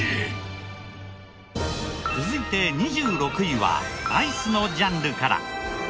続いて２６位はアイスのジャンルから。